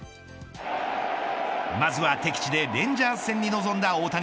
まずは敵地でレンジャーズ戦に臨んだ大谷。